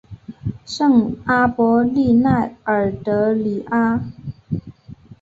圣阿波利奈尔德里阿。